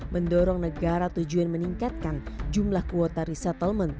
mendorong negara tujuan meningkatkan jumlah kuota resettlement